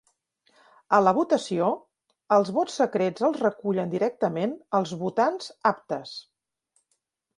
A la votació, els vots secrets els recullen directament els votants aptes.